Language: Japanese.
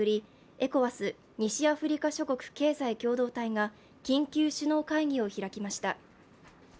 ＥＣＯＷＡＳ＝西アフリカ諸国経済共同体が緊急首脳会議を開きました。